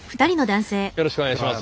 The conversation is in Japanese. よろしくお願いします。